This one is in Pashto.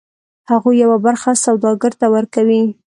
هغوی یوه برخه سوداګر ته ورکوي